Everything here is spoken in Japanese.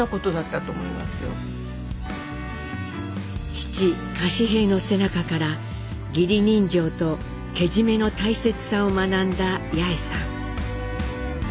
父柏平の背中から義理人情とけじめの大切さを学んだ八重さん。